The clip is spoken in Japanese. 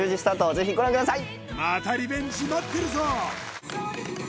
ぜひご覧ください